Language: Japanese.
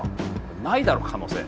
ないだろ？可能性。